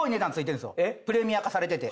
プレミア化されてて。